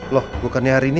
loh bukannya hari ini